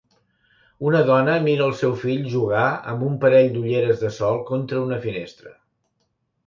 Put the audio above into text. Una dona mira el seu fill jugar amb un parell d'ulleres de sol contra una finestra.